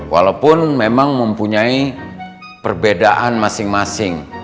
walaupun memang mempunyai perbedaan masing masing